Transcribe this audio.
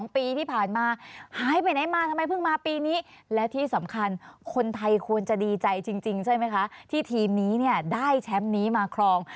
ปีที่ผ่านมาหายไปไหนมาทำไมเพิ่งมาปีนี้และที่สำคัญคนไทยควรจะดีใจจริงใช่ไหมคะที่ทีมนี้เนี่ยได้แชมป์นี้มาครอง